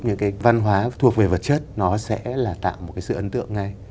những cái văn hóa thuộc về vật chất nó sẽ là tạo một cái sự ấn tượng ngay